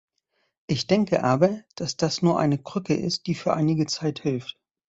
Ich denke aber, dass das nur eine Krücke ist, die für einige Zeit hilft.